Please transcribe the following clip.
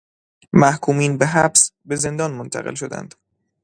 محکومین به حبس، به زندان منتقل شدند